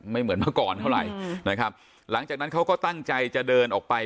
เหมือนเมื่อก่อนเท่าไหร่นะครับหลังจากนั้นเขาก็ตั้งใจจะเดินออกไป